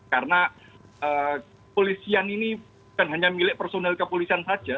karena polisian ini bukan hanya milik personel kepolisian saja